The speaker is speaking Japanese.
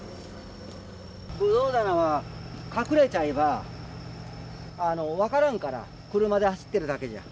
ぶどう棚は、隠れちゃえば、分からんから、車で走ってるだけじゃ。